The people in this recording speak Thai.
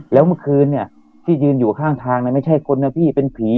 แล้วเมื่อคืนเนี่ยที่ยืนอยู่ข้างทางไม่ใช่คนนะพี่เป็นผี